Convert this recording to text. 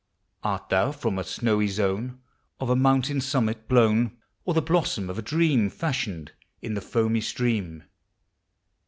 Art thou from the snowy zone Of a mountain summit blown, Or the blossom of a dream, Fashioned in the foamy stream?